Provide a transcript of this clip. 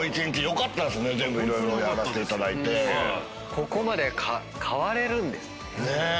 ここまで変われるんですね。